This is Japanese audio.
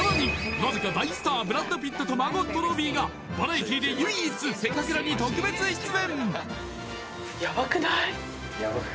なぜか大スターブラッド・ピットとマーゴット・ロビーがバラエティで唯一「せかくら」に特別出演！